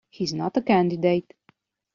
He is not a candidate.